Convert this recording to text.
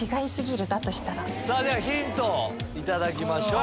ではヒントを頂きましょう。